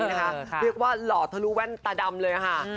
เรียกว่าหล่อทะลุแว่นตาดำเลยค่ะ